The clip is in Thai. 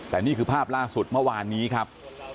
แต่นี่คือภาพล่าสุดเมื่อวานนี้ครับ